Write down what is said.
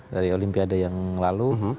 dari olimpiade yang lalu